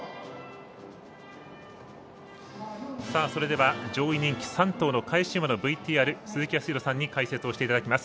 それでは上位人気３頭の返し馬のＶＴＲ鈴木康弘さんに解説をしていただきます。